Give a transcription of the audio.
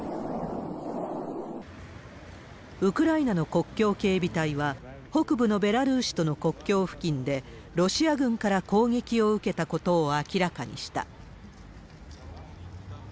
ウクライナの国境警備隊は、北部のベラルーシとの国境付近で、ロシア軍から攻撃を受けたことを明らかにした。